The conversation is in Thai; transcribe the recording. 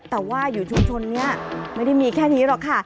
แต่ว่าอยู่ชุมชนนี้ไม่ได้มีแค่นี้หรอกค่ะ